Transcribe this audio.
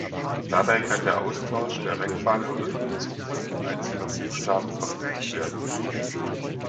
Dabei kann der Austausch, der Wegfall oder die Hinzufügung einzelner Buchstaben verfügt werden.